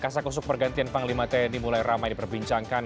kasakusuk pergantian panglima tni mulai ramai diperbincangkan